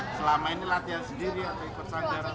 selama ini latihan sendiri atau ikut sanggaran